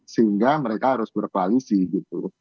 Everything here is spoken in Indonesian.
sehingga mereka harus berkoalisi gitu